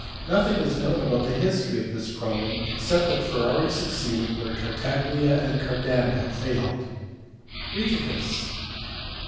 Nothing is known about the history of this problem except that Ferrari succeeded where Tartaglia and Cardan had failed. Rheticus.